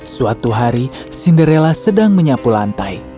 suatu hari cinderella sedang menyapu lantai